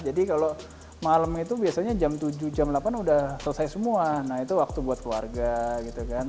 jadi kalau malam itu biasanya jam tujuh jam delapan udah selesai semua nah itu waktu buat keluarga gitu kan